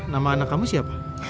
nama anak kamu siapa